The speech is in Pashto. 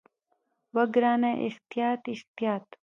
وه ګرانه احتياط احتياط.